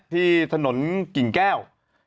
ที่ถนนกิ่งแก้ว